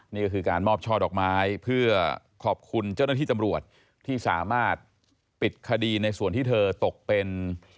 นี่ก็คือการมอบช่อดอกไม้เพื่อขอบคุณเจ้าหน้าที่ตำรวจที่สามารถปิดคดีในส่วนที่เธอตกเป็น